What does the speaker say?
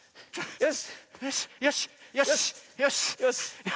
よし。